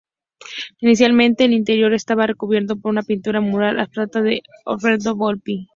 Inicialmente, el interior estaba recubierto por una pintura mural abstracta de Alfredo Volpi.